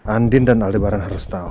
andin dan alibara harus tahu